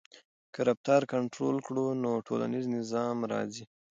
که رفتار کنټرول کړو نو ټولنیز نظم راځي.